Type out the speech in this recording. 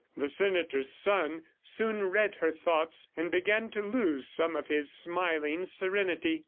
... The senator's son soon read her thoughts and began to lose some of his smiling serenity.